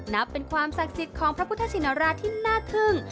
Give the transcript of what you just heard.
นับเป็นความศักดิ์สิทธิ์ของพระพุทธชินราชที่น่าทึ่ง